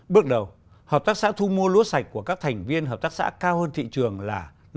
bước đầu hợp tác xã thu mua lúa sạch của các thành viên hợp tác xã cao hơn thị trường là